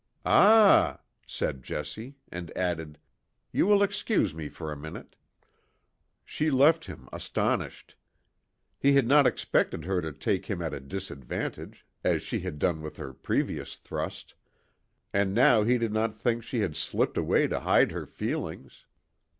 "Ah!" said Jessie, and added: "You will excuse me for a minute." She left him astonished. He had not expected her to take him at a disadvantage, as she had done with her previous thrust, and now he did not think she had slipped away to hide her feelings.